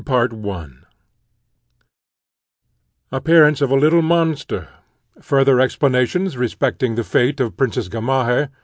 Appearance of a little monster. Farther explanations respecting the fate of the Princess Gamaheh.